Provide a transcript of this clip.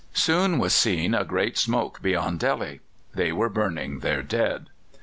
Soon was seen a great smoke beyond Delhi: they were burning their dead!